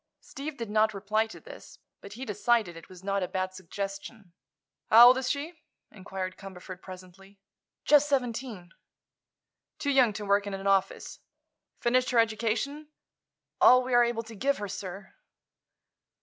Steve did not reply to this, but he decided it was not a bad suggestion. "How old is she?" inquired Cumberford, presently. "Just seventeen." "Too young to work in an office. Finished her education?" "All we are able to give her, sir."